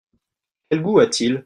Quel goût a-t-il ?